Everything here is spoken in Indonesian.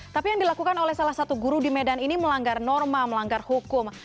tapi yang dilakukan oleh salah satu guru di medan ini melanggar norma melanggar hukum